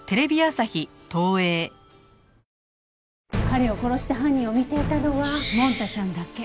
彼を殺した犯人を見ていたのはもんたちゃんだけ。